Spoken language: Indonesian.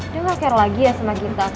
dia gak care lagi ya sama kita